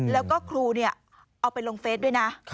แล้วก็ครูเอาไปลงเฟสด้วยนะ